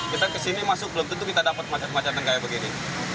kita kesini masuk belum tentu kita dapat macet macetan kayak begini